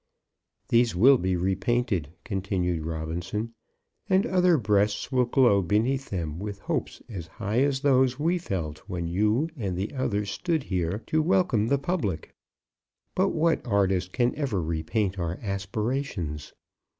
"These will be repainted," continued Robinson, "and other breasts will glow beneath them with hopes as high as those we felt when you and the others stood here to welcome the public. But what artist can ever repaint our aspirations?